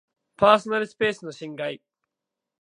パーソナルスペースの侵害